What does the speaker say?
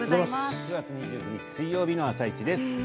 ９月２９日水曜日の「あさイチ」です。